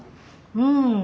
うん。